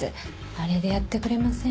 あれでやってくれません？